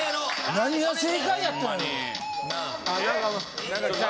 ・何が正解やったんやろ？